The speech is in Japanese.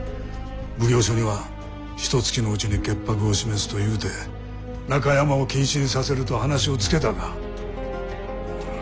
奉行所には「ひとつきのうちに潔白を示す」と言うて中山を謹慎させると話をつけたが。